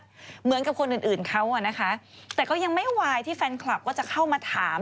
เหมือนกับคนอื่นอื่นเขาอ่ะนะคะแต่ก็ยังไม่วายที่แฟนคลับก็จะเข้ามาถาม